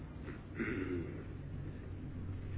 うん。